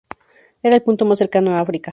Era el punto más cercano a África.